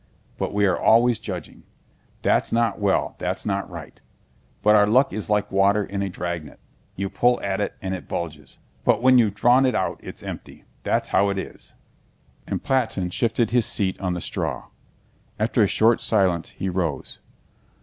But we are always judging, 'that's not well—that's not right!' Our luck is like water in a dragnet: you pull at it and it bulges, but when you've drawn it out it's empty! That's how it is." And Platón shifted his seat on the straw. After a short silence he rose.